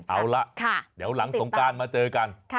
เอาล่ะเดี๋ยวหลังสงการมาเจอกัน